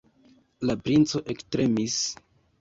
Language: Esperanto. La princo ektremis.